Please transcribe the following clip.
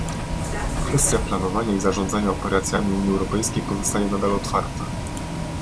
Kwestia planowania i zarządzania operacjami Unii Europejskiej pozostaje nadal otwarta